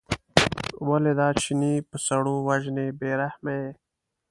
ولې دا چینی په سړو وژنې بې رحمه یې.